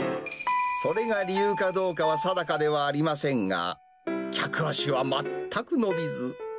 それが理由かどうかは定かではありませんが、客足は全く伸びず。